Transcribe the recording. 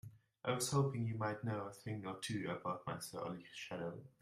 I was hoping you might know a thing or two about my surly shadow?